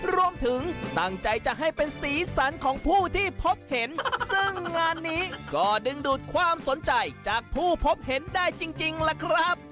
รวมถึงตั้งใจจะให้เป็นสีสันของผู้ที่พบเห็นซึ่งงานนี้ก็ดึงดูดความสนใจจากผู้พบเห็นได้จริงล่ะครับ